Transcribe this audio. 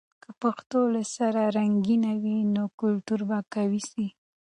که پښتو له سره رنګین وي، نو کلتور به قوي سي.